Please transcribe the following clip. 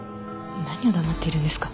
何黙っているんですか。